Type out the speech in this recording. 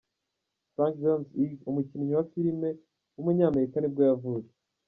Frank John Hughes, umukinnyi wa filime w’umunyamerika nibwo yavutse.